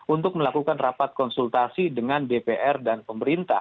untuk melakukan rapat konsultasi dengan dpr dan pemerintah